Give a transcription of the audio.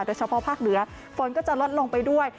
โดยเฉพาะภาคเหนือฝนก็จะลดลงไปด้วย